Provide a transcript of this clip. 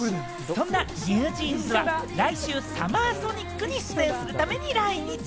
そんなＮｅｗＪｅａｎｓは、来週ＳＵＭＭＥＲＳＯＮＩＣに出演するために来日。